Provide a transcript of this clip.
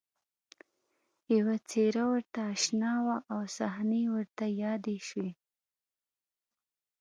یوه څېره ورته اشنا وه او صحنې ورته یادې شوې